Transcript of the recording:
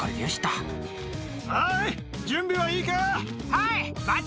はい！